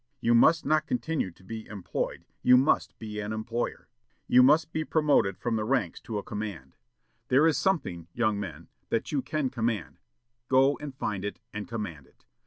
You must not continue to be employed; you must be an employer. You must be promoted from the ranks to a command. There is something, young men, that you can command; go and find it, and command it.